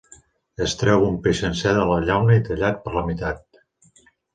Es treu un peix sencer de la llauna i tallat per la meitat.